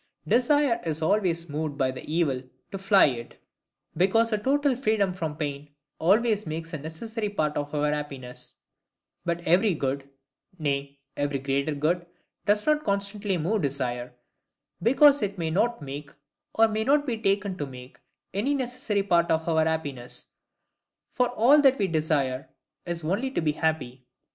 Desire is always moved by evil, to fly it: because a total freedom from pain always makes a necessary part of our happiness: but every good, nay, every greater good, does not constantly move desire, because it may not make, or may not be taken to make, any necessary part of our happiness. For all that we desire, is only to be happy.